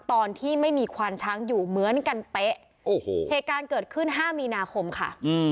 ตอนที่ไม่มีควานช้างอยู่เหมือนกันเป๊ะโอ้โหเหตุการณ์เกิดขึ้น๕มีนาคมค่ะ